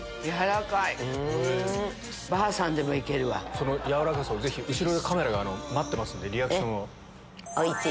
その軟らかさをぜひ後ろでカメラが待ってますんでリアクションを。